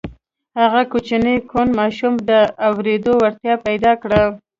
هغه کوچني کوڼ ماشوم د اورېدو وړتيا پيدا کړه.